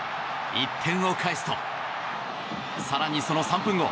１点を返すと更にその３分後。